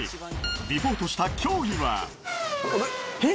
リポートした競技は。え？